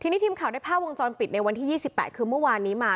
ทีนี้ทีมข่าวได้ภาพวงจรปิดในวันที่๒๘คือเมื่อวานนี้มา